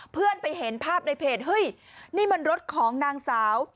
เพื่อนไปเห็นภาพในเพจเฮ้ยนี่มันรถของนางสาว